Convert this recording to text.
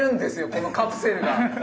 このカプセルが！